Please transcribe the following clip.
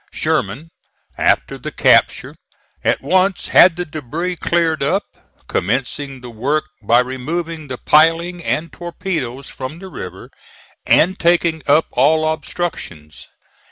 Sherman, after the capture, at once had the debris cleared up, commencing the work by removing the piling and torpedoes from the river, and taking up all obstructions.